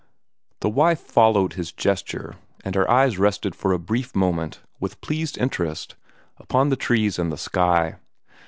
The wife followed his gesture, and her eyes rested for a brief moment, with pleased interest, upon the trees and the sky.